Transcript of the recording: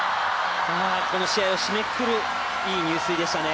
この試合を締めくくるいい入水でしたね。